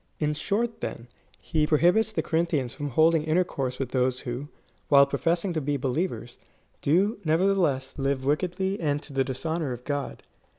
In short, then, he prohibits the Corinthians from holding intercourse with those wlio, while professing to be believers, do, nevertheless, live wickedly and to the dishonour of God.